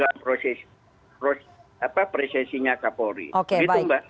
apa presensinya waka polri